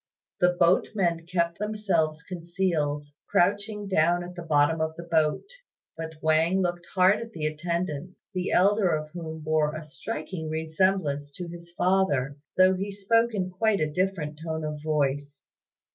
The boatmen kept themselves concealed, crouching down at the bottom of the boat; but Wang looked hard at the attendants, the elder of whom bore a striking resemblance to his father, though he spoke in quite a different tone of voice.